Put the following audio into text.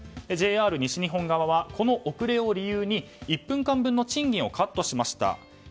ＪＲ西日本側はこの遅れを理由に１分間分の賃金をカットしました。